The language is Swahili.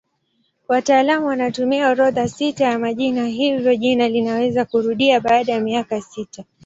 Wataalamu wanatumia orodha sita ya majina hivyo jina linaweza kurudia baada ya miaka sita.